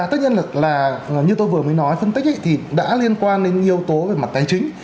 tất nhiên là như tôi vừa mới nói phân tích thì đã liên quan đến yếu tố về mặt tài chính